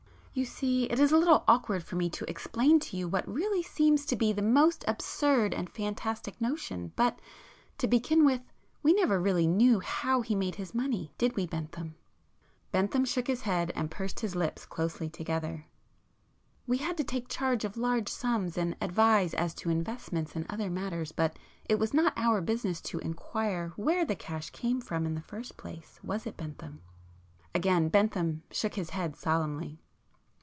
You see it is a little awkward for me to explain to you what really seems to be the most absurd and fantastic notion,—but—to begin with, we never really knew how he made his money, did we Bentham?" Bentham shook his head and pursed his lips closely together. "We had to take charge of large sums, and advise as to investments and other matters,—but it was not our business to inquire where the cash came from in the first place, was it, Bentham?" Again Bentham shook his head solemnly.